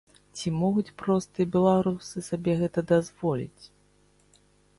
Ці могуць простыя беларусы сабе гэта дазволіць?